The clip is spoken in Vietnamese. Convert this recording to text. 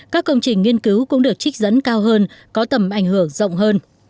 các công trình nghiên cứu cũng được trích dẫn cao hơn có tầm ảnh hưởng rộng hơn